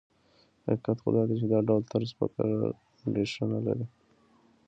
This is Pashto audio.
حقیقت خو دا دی چې دا ډول طرز فکر ريښه نه لري.